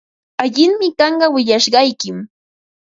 Allinmi kanqa willashqaykim.